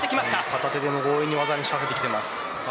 片手で強引に技を仕掛けてきています。